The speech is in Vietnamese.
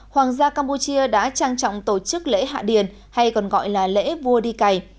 hoàng gia campuchia đã trang trọng tổ chức lễ hạ điền hay còn gọi là lễ vua đi cày